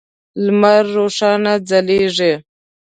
لمر روښانه ځلیږی